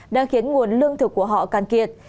đang khiến nguồn lương thực của họ can kiệt